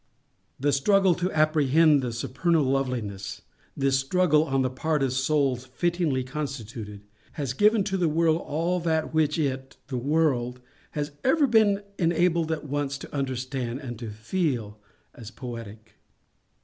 The struggle to apprehend the supernal Loveliness—this struggle, on the part of souls fittingly constituted—has given to the world all _that _which it (the world) has ever been enabled at once to understand and _to feel _as poetic.